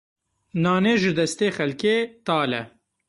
Nanê ji destê xelkê, tal e.